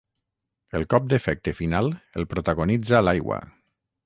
El cop d'efecte final el protagonitza l'aigua.